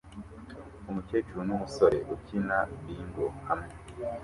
Umukecuru n'umusore ukina bingo hamwe